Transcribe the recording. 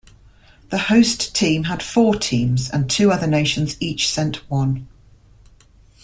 The host team had four teams, and two other nations each sent one.